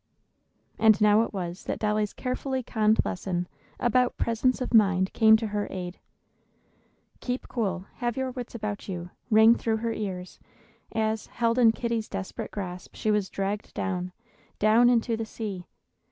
And now it was that Dolly's carefully conned lesson about presence of mind came to her aid. "Keep cool; have your wits about you," rang through her ears, as, held in Kitty's desperate grasp, she was dragged down, down into the sea.